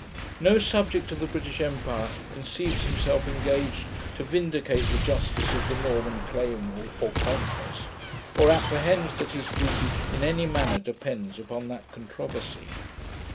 No subject of the British Empire conceives himself engaged to vindicate the justice of the Norman claim or conquest, or apprehends that his duty in any manner depends upon that controversy.